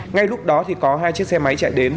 ngay lúc đó thì có hai chiếc xe máy chạy đến